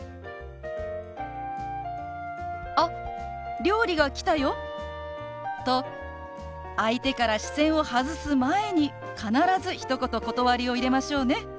「あ料理が来たよ」と相手から視線を外す前に必ずひと言断りを入れましょうね。